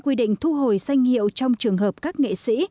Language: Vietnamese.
quy định thu hồi danh hiệu trong trường hợp các nghệ sĩ